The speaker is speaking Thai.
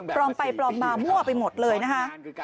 ปลอมไปปลอมมามั่วไปหมดเลยนะคะ